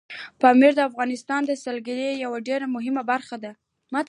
پامیر د افغانستان د سیلګرۍ یوه ډېره مهمه برخه ده.